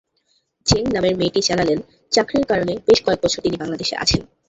জেং নামের মেয়েটি জানালেন, চাকরির কারণে বেশ কয়েক বছর তিনি বাংলাদেশে আছেন।